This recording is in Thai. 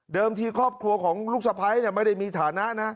ที่ครอบครัวของลูกสะพ้ายไม่ได้มีฐานะนะ